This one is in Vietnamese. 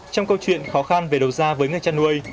trong câu chuyện khó khăn về đầu gia với người cha nuôi